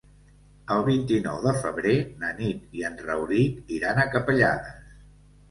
El vint-i-nou de febrer na Nit i en Rauric iran a Capellades.